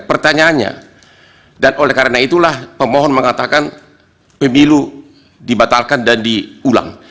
pertanyaannya dan oleh karena itulah pemohon mengatakan pemilu dibatalkan dan diulang